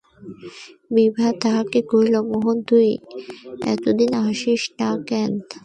বিভা তাহাকে কহিল, মোহন, তুই এতদিন আসিস নাই কেন?